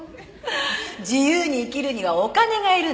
「自由に生きるにはお金がいるの」